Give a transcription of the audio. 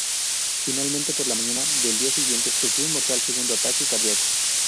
Finalmente, por la mañana del día siguiente sufrió un mortal segundo ataque cardíaco.